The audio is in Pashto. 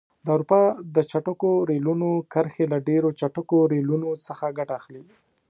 د اروپا د چټکو ریلونو کرښې له ډېرو چټکو ریلونو څخه ګټه اخلي.